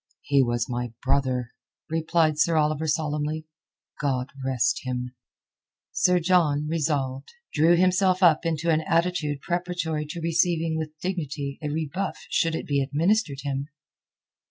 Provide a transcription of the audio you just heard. "He was my brother," replied Sir Oliver solemnly. "God rest him!" Sir John, resolved, drew himself up into an attitude preparatory to receiving with dignity a rebuff should it be administered him.